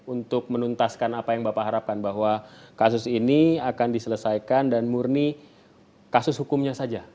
untuk menuntaskan apa yang bapak harapkan bahwa kasus ini akan diselesaikan dan murni kasus hukumnya saja